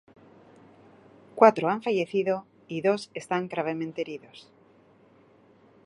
Cuatro han fallecido y dos están gravemente heridos.